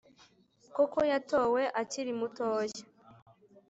koko yatowe akiri mutoya